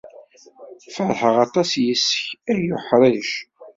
Ferḥeɣ aṭas yis-k, ay uḥṛic.